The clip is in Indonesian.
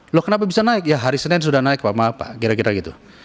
loh kenapa bisa naik ya hari senin sudah naik pak kira kira gitu